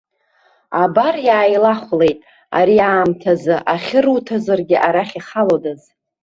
Абар, иааилахәлеит, ари аамҭазы, ахьы руҭозаргьы арахь ихалодаз!